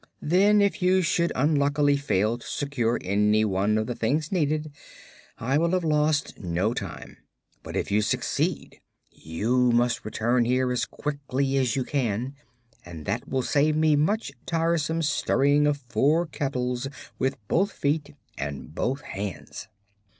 Then, if you should unluckily fail to secure any one of the things needed, I will have lost no time. But if you succeed you must return here as quickly as you can, and that will save me much tiresome stirring of four kettles with both feet and both hands."